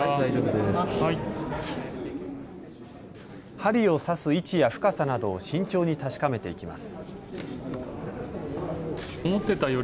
針を刺す位置や深さなどを慎重に確かめていきます。